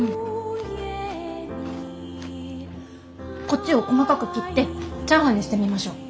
こっちを細かく切ってチャーハンにしてみましょう。